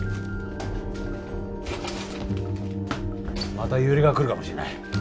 また揺れが来るかもしれない。